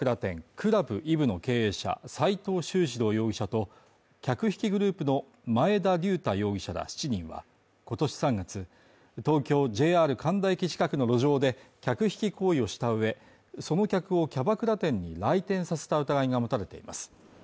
ＣＬＵＢＥＶＥの経営者斉藤秀次郎指導容疑者と客引きグループの前田龍太容疑者ら７人は今年３月、東京ＪＲ神田駅近くの路上で客引き行為をした上、その客をキャバクラ店に来店させた疑いが持たれています。